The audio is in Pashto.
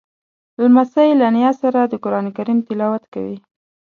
لمسی له نیا سره د قرآن تلاوت کوي.